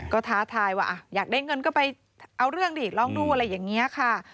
ก็ท้าทายว่าอยากได้เงินก็ไปเอาเรื่องดิลองดูอะไรอย่างนี้ค่ะ